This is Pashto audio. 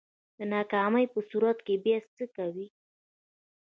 د ناکامۍ په صورت کی بیا څه کوئ؟